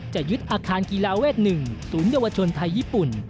จะยึดอาคารกีฬาเวท๑ศูนยวชนไทยญี่ปุ่น